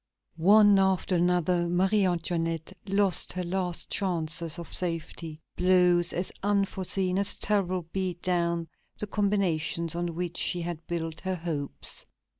One after another, Marie Antoinette lost her last chances of safety; blows as unforeseen as terrible beat down the combinations on which she had built her hopes.